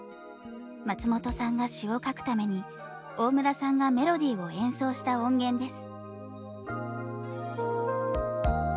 松本さんが詞を書くために大村さんがメロディーを演奏した音源です。